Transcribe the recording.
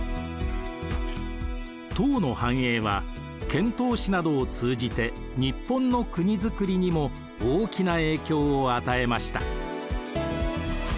唐の繁栄は遣唐使などを通じて日本の国づくりにも大きな影響を与えました。